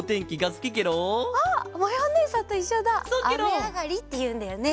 あめあがりっていうんだよね。